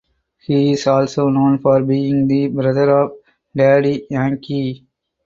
He is also known for being the brother of Daddy Yankee.